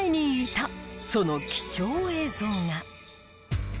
その貴重映像が。